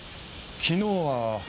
昨日は。